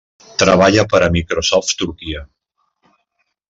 Treballa per a Microsoft Turquia.